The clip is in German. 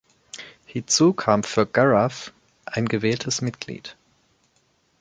Hinzu kam für Garath ein gewähltes Mitglied.